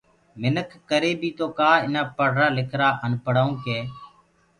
مِنک ڪري بيٚ تو ڪآ ايٚنآ پڙهرآ لکرآ انپهڙآئونٚ ڪي